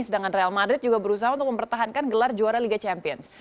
sedangkan real madrid juga berusaha untuk mempertahankan gelar juara liga champions